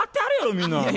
みんな。